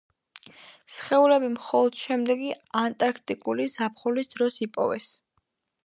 სხეულები მხოლოდ შემდეგი ანტარქტიკული ზაფხულის დროს იპოვეს.